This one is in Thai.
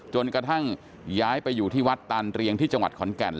จนกระทั่งย้ายไปอยู่ที่วัดตานเรียงที่จังหวัดขอนแก่น